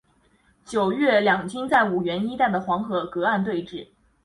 九月两军在五原一带的黄河隔岸对峙。